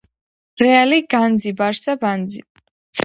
რეალი განძი ბარსა ბანძი